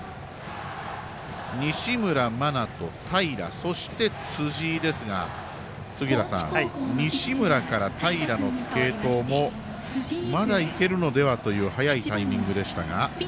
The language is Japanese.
西村真人、平、そして辻井ですが杉浦さん、西村から平の継投もまだいけるのではという早いタイミングでしたが。